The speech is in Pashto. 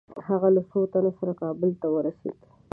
هغه له څو تنو سره کابل ته ورسېد.